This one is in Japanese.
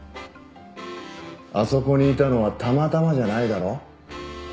あそこにいたのはたまたまじゃないだろ？